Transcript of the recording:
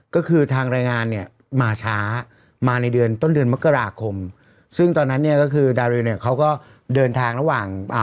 ก็คือทางรายงานเนี่ยมาช้ามาในเดือนต้นเดือนมกราคมซึ่งตอนนั้นเนี่ยก็คือดาริวเนี่ยเขาก็เดินทางระหว่างอ่า